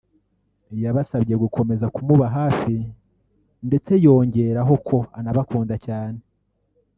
yasbasabye gukomeza ku muba hafi ndetse yongeraho ko anabakunda cyane